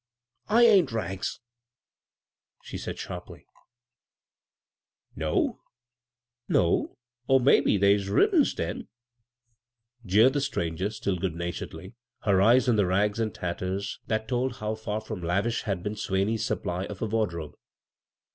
" I ain't ' Rags,' " she said sharply. b, Google CROSS CURRENTS ■ "No? Oh, mebbe dey's ribb'ns, den," jeered the stranger, still good naturedly, hex eyes on the rags and tatters that told how far horn lavish had been Swaney's supply of a wardrobe.